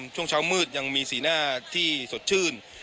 ช่วงเช้ามืดยังมีสีหน้าที่สดชื่น